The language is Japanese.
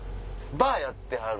バーやってはる。